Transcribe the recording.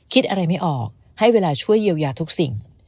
คิดอะไรไม่ออกให้เวลาช่วยเยียวยาทุกสิ่ง